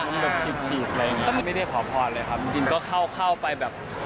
แบบฉีกฉีกอะไรอย่างเงี้ก็ไม่ได้ขอพรเลยครับจริงจริงก็เข้าเข้าไปแบบ